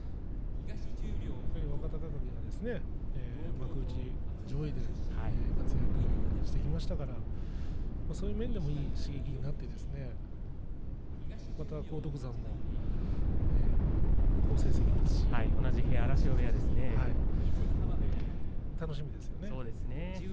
若隆景が幕内上位で活躍していますのでそういった面でもいい刺激になってまた荒篤山も好成績ですし同じ荒汐部屋、楽しみですね。